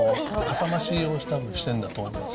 さましをたぶんしてるんだと思います。